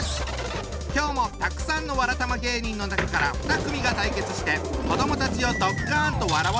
今日もたくさんのわらたま芸人の中から２組が対決して子どもたちをドッカンと笑わせちゃうぞ！